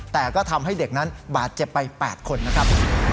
แต่ก็ทำให้เด็กนั้นบาดเจ็บไป๘คนนะครับ